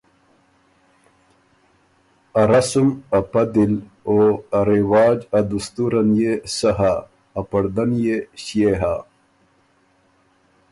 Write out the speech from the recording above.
ا رسم ا پدِل او ا رواج ا دستُورن يې سۀ هۀ، ا پړدۀ ن يې ݭيې هۀ۔